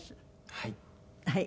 はい。